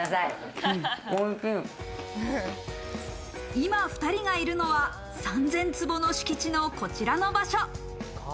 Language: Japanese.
今２人がいるのは、３０００坪の敷地のこちらの場所。